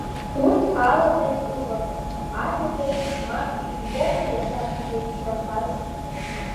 Урҭ аладагь иҟамызт, аҩадагь, мап, ижәбома иахьа изеиԥшрахаз?!